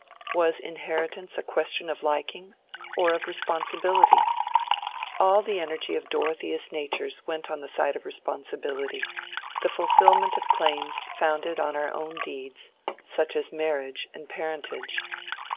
Was inheritance a question of liking or of responsibility? All the energy of Dorothea's nature went on the side of responsibility—the fulfilment of claims founded on our own deeds, such as marriage and parentage.